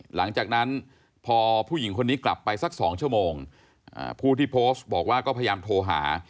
หลังจากนั้นพอผู้หญิงคนนี้กลับไปสัก๒ชั่วโมงผู้ที่โพสต์บอกว่าก็พยายามโทรหา